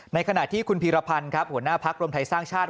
ขณะที่คุณพีรพันธ์ครับหัวหน้าพักรวมไทยสร้างชาติ